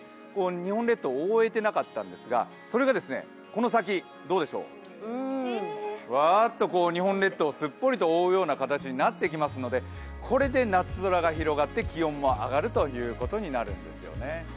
日本列島を覆えてなかったんですが、それがこの先どうでしょう、わーっとこう、日本列島をすっぽりと覆う形になってくるのでこれで夏空が広がって気温も上がるということになるんです。